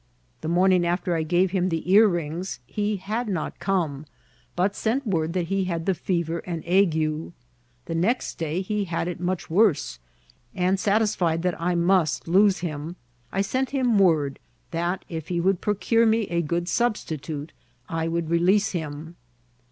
The morning after I gave him the earrings he had not come, but sent word that he had the fever and ague. The next day he had it much worse, and satisfied that I must lose him, I sent him word that if he would procure me a good substitute I would release him.